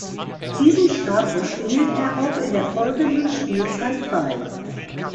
Diesen Status behielt er auch in der folgenden Spielzeit bei.